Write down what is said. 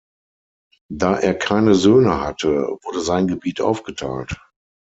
Da er keine Söhne hatte, wurde sein Gebiet aufgeteilt.